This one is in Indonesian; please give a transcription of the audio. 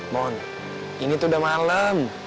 mon ini tuh udah malem